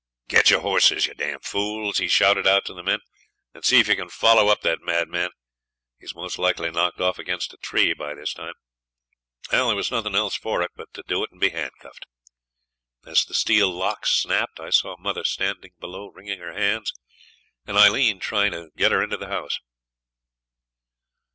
'Get your horses, you d d fools,' he shouts out to the men, 'and see if you can follow up that madman. He's most likely knocked off against a tree by this time.' There was nothing else for it but to do it and be handcuffed. As the steel locks snapped I saw mother standing below wringing her hands, and Aileen trying to get her into the house.